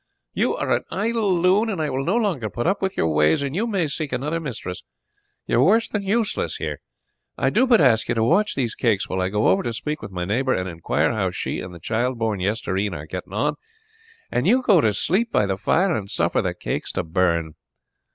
"You are an idle loon, and I will no longer put up with your ways, and you may seek another mistress. You are worse than useless here. I do but ask you to watch these cakes while I go over to speak with my neighbour, and inquire how she and the child born yestereven are getting on, and you go to sleep by the fire and suffer the case to burn.